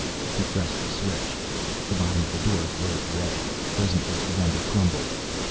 He pressed the switch. The bottom of the door glowed red. Presently it began to crumble.